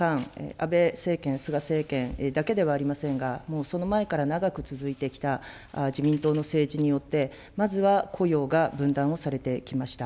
この間、安倍政権、菅政権だけではありませんが、もうその前から長く続いてきた自民党の政治によって、まずは雇用が分断をされてきました。